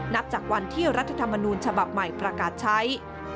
นับจากวันที่รัฐธรรมนูญฉบับใหม่ประกาศใช้